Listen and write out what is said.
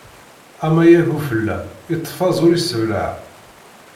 Amayeg ufella, iteffeẓ ur yesseblaɛ.